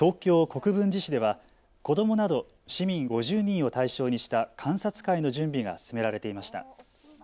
国分寺市では子どもなど市民５０人を対象にした観察会の準備が進められていました。